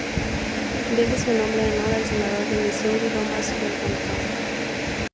Debe su nombre en honor al senador de Missouri Thomas Hart Benton.